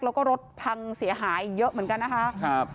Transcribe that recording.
แล้วก็รถพังเสียหายเยอะเหมือนกันนะคะครับ